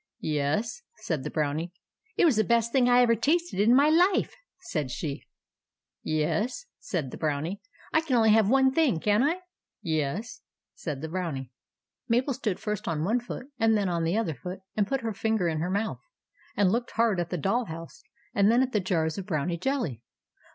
" Yes," said the Brownie. " It was the best thing I ever tasted in my life," said she. 198 THE ADVENTURES OF MABEL " Yes," said the Brownie. " I can only have one thing, can I ?"" Yes," said the Brownie. Mabel stood first on one foot, and then on the other foot, and put her finger in her mouth, and looked hard at the doll house, and then at the jars of Brownie jelly.